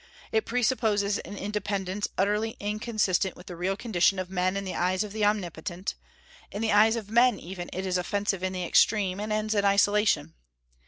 It presupposes an independence utterly inconsistent with the real condition of men in the eyes of the Omnipotent; in the eyes of men, even, it is offensive in the extreme, and ends in isolation.